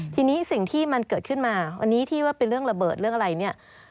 ทีนี้สิ่งที่มันเกิดขึ้นมาวันนี้ที่ว่าเป็นเรื่องระเบิดเรื่องอะไรเนี่ย